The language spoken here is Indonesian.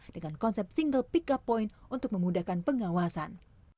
dengan konsep single pick up point untuk memudahkan pengawasan